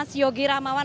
mas yogi ramawan